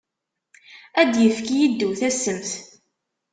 Ad d-yefk yiddew tassemt!